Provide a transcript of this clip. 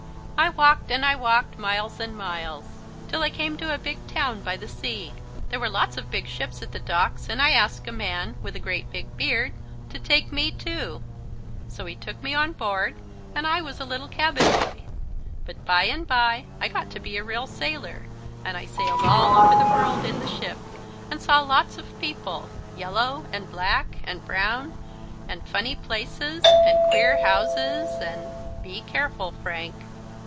"I walked and I walked, miles and miles, till I came to a big town by the sea. There were lots of big ships at the docks, and I asked a man, with a great big beard, to take me too. So he took me on board, and I was a little cabin boy. But bye and bye I got to be a real sailor, and I sailed all over the world in the ship, and saw lots of people, yellow, and black, and brown, and funny places and queer houses and " "Be careful, Frank!"